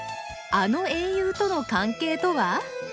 あの英雄との関係とは？